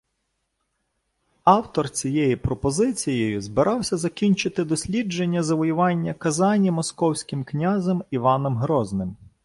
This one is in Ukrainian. Автор цією пропозицією збирався закінчити дослідження завоювання Казані Московським князем Іваном Грозним